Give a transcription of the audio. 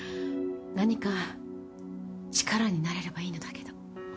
何か力になれればいいのだけど。